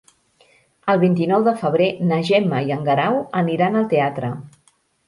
El vint-i-nou de febrer na Gemma i en Guerau aniran al teatre.